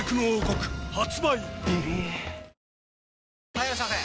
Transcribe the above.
・はいいらっしゃいませ！